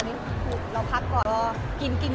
พี่เอ็มเค้าเป็นระบองโรงงานหรือเปลี่ยนไงครับ